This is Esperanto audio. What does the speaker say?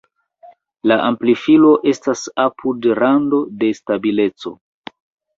La amplifilo estas apud rando de stabileco.